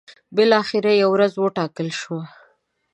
بالاخره یوه ورځ وټاکل شوه.